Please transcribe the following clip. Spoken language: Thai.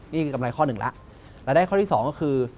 นี่คือกำไรข้อหนึ่งแล้วรายได้ข้อที่สองก็คือ